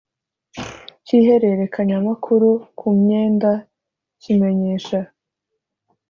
cy ihererekanyamakuru ku myenda kimenyesha